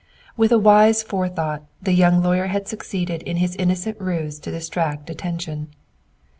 With a wise forethought, the young lawyer had succeeded in his innocent ruse to distract attention.